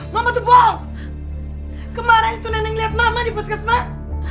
mama tuh bohong kemarin tuh nenek liat mama di pos kesmas